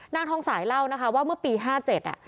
นางทองสายเล่านะคะว่าเมื่อปี๕๗อ่ะ